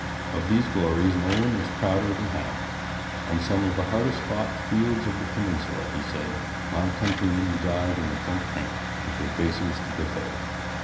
Of these glories no one was prouder than Howe. 'On some of the hardest fought fields of the Peninsula,' he said, 'my countrymen died in the front rank, with their faces to the foe.